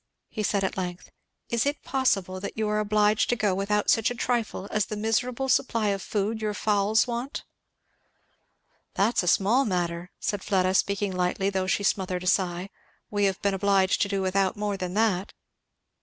he said at length. "Is it possible that you are obliged to go without such a trifle as the miserable supply of food your fowls want!" "That's a small matter!" said Fleda, speaking lightly though she smothered a sigh. "We have been obliged to do without more than that."